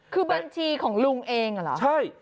คือบัญชีของลุงเองอ่ะเหรอใช่